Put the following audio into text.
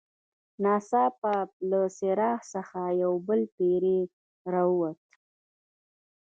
ناڅاپه له څراغ څخه یو بل پیری راووت.